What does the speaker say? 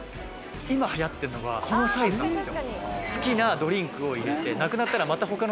今流行っているのがこのサイズなんですよ。